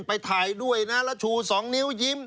ไปถ่ายด้วยนะแล้วชู๒นิ้วยิ้ม